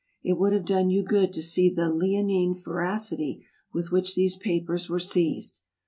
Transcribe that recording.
It would have done you good to see the leonine voracity with which these papers were seized.